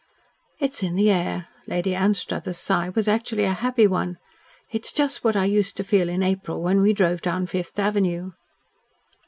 "It's in the air." Lady Anstruthers' sigh was actually a happy one. "It is just what I used to feel in April when we drove down Fifth Avenue."